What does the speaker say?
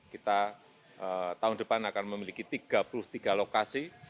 kita tahun depan akan memiliki tiga puluh tiga lokasi